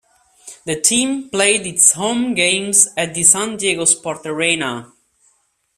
The team played its home games at the San Diego Sports Arena.